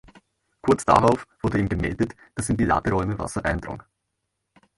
Kurz darauf wurde ihm gemeldet, dass in die Laderäume Wasser eindrang.